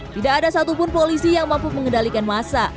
tidak ada satupun polisi yang mampu mengendalikan masa